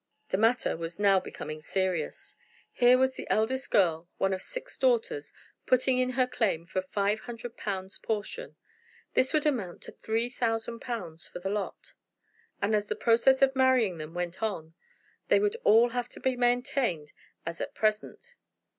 The matter was now becoming serious. Here was the eldest girl, one of six daughters, putting in her claim for five hundred pounds portion. This would amount to three thousand pounds for the lot, and, as the process of marrying them went on, they would all have to be maintained as at present.